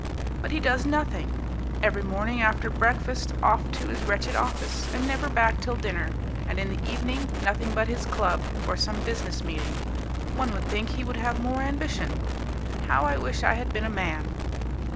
But he does nothing. Every morning after breakfast off to his wretched office, and never back till dinner, and in the evening nothing but his club, or some business meeting. One would think he would have more ambition. How I wish I had been a man."